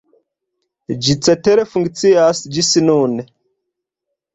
Ĝi cetere funkcias ĝis nun.